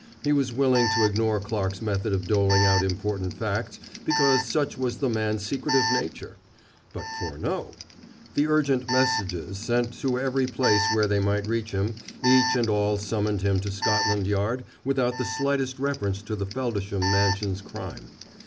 He was willing to ignore Clarke's method of doling out important facts because such was the man's secretive nature. But Furneaux! The urgent messages sent to every place where they might reach him, each and all summoned him to Scotland Yard without the slightest reference to the Feldisham Mansions crime.